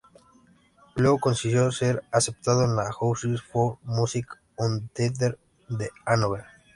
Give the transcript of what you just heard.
Luego consiguió ser aceptado en la Hochschule für Musik und Theater de Hannover.